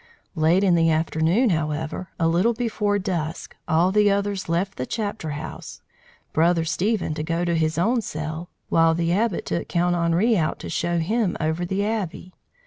Late in the afternoon, however, a little before dusk, all the others left the chapter house, Brother Stephen to go to his own cell, while the Abbot took Count Henri out to show him over the Abbey.